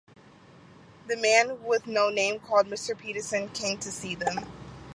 The man with no name called Mr Peterson came to see them.